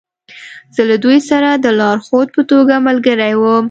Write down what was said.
زه له دوی سره د لارښود په توګه ملګری وم